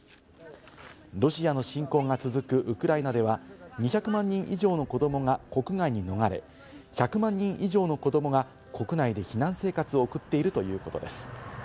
ロシアの侵攻が続くウクライナでは、２００万人以上の子どもが国外に逃れ、１００万人以上の子どもが国内で避難生活を送っているということです。